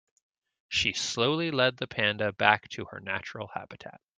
She slowly led the panda back to her natural habitat.